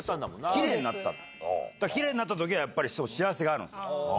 きれいになったときはやっぱり幸せがあるあるんですよ。